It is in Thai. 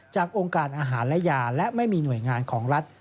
องค์การอาหารและยาและไม่มีหน่วยงานของรัฐ